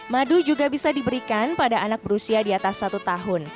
madu juga bisa diberikan pada anak berusia di atas satu tahun